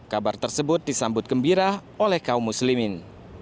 kabar tersebut disambut gembira oleh kaum muslimin